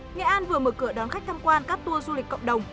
nghệ an vừa mở cửa đón khách tham quan các tour du lịch cộng đồng